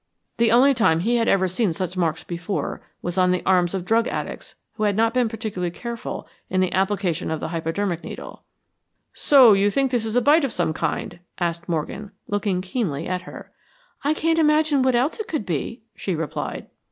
The only time he had ever seen such marks before was on the arms of drug addicts who had not been particularly careful in the application of the hypodermic needle. "So you think it is a bite of some kind?" asked Morgan, looking keenly at her. "I can't imagine what else it could be," she replied.